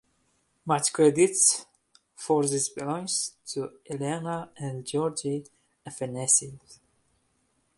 Much credit for this belongs to Elena and Georgy Afanasyev.